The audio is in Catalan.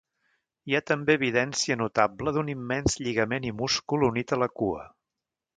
Hi ha també evidència notable d'un immens lligament i múscul unit a la cua.